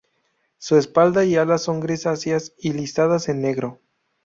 Su espalda y alas son grisáceas y listadas en negro.